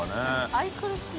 愛くるしい。